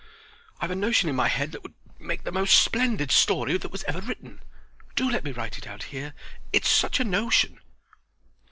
"I've a notion in my head that would make the most splendid story that was ever written. Do let me write it out here. It's such a notion!"